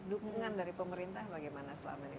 dukungan dari pemerintah bagaimana selama ini